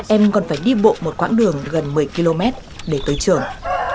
em còn phải đi bộ một quãng đường gần một mươi km để tới trường